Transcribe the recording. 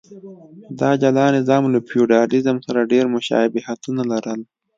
دا جلا نظام له فیوډالېزم سره ډېر مشابهتونه لرل.